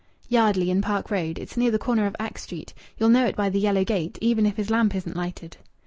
"Yardley in Park Road. It's near the corner of Axe Street. You'll know it by the yellow gate even if his lamp isn't lighted."